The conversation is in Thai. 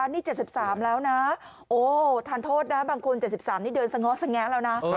นี่เจ็ดสิบสามแล้วนะโอ้ทานโทษนะบางคนเจ็ดสิบสามนี่เดินสงสังแงแล้วนะ